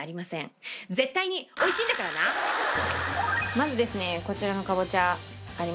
まずですねこちらのかぼちゃありますね。